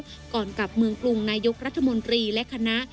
ก่อนกลับเมืองกรุงนายกรัฐมนตรีและคณะ